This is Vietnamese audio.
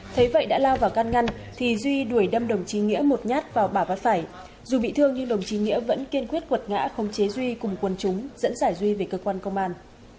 thấy vậy đã lao vào can ngăn thì duy đuổi đâm đồng chí nghĩa một nhát vào bả bát phải dù bị thương nhưng đồng chí nghĩa vẫn kiên quyết quật ngã không chế duy cùng quân chúng dẫn giải duy về cơ quan công an